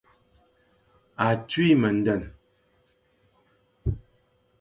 A tui mendene.